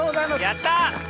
やった！